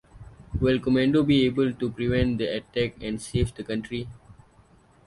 Will Commando be able to prevent the attack and save the country?